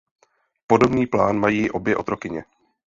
Podobný plán mají i obě otrokyně.